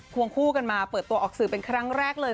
วงคู่กันมาเปิดตัวออกสื่อเป็นครั้งแรกเลย